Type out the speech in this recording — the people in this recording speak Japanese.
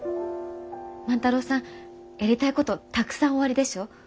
万太郎さんやりたいことたくさんおありでしょう？